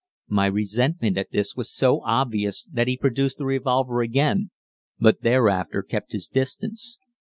My resentment at this was so obvious that he produced the revolver again, but thereafter kept his distance.